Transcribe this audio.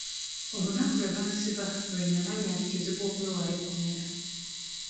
Olunaku lwe bansiba lwe namanya nti kizibu okwewala ekkomera.